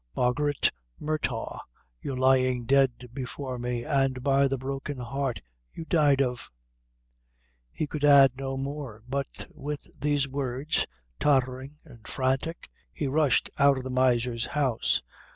Margaret Murtagh, you're lying dead before me, and by the broken heart you died of " He could add no more; but with these words, tottering and frantic, he rushed out of the miser's house.